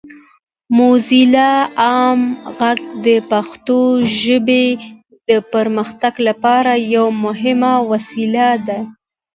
موزیلا عام غږ د پښتو ژبې د پرمختګ لپاره یوه مهمه وسیله ده.